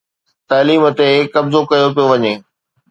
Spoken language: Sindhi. تعليم تي قبضو ڪيو پيو وڃي